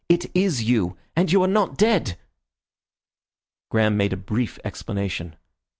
"It is you. And you are not dead!" Graham made a brief explanation.